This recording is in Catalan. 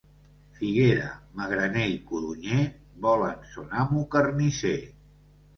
Figuera, magraner i codonyer volen son amo carnisser.